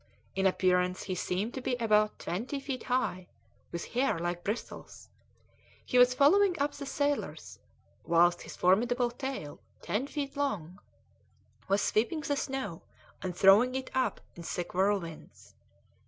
In appearance he seemed to be about twenty feet high, with hair like bristles; he was following up the sailors, whilst his formidable tail, ten feet long, was sweeping the snow and throwing it up in thick whirlwinds.